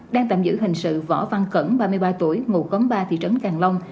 đang tạm giữ hình sự võ văn cẩn ba mươi ba tuổi ngụ cấm ba thị trấn càng long